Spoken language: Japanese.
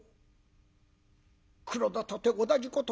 黒田とて同じこと。